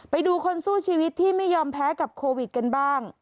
ไปดูคนสู้ชีวิตที่ไม่ยอมแพ้กับโควิดกันบ้าง